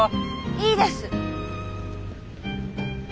いいです。